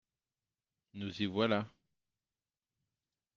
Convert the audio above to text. Nous y voilà